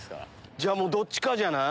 じゃあもうどっちかじゃない。